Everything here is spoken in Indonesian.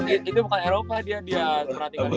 dia bukan eropa dia meratikan